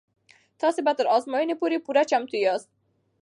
تاسې به تر ازموینې پورې پوره چمتو شوي یاست.